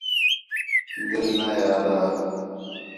دِل نے آہدا